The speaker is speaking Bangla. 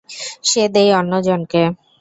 সে দেয় অন্য জনকে।